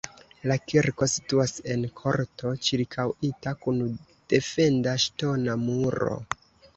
La kirko situas en korto ĉirkaŭita kun defenda ŝtona muro.